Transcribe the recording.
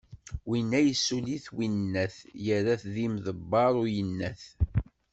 Winna yessuli-t winnat, yerra-t d imeḍbeṛ uyennat.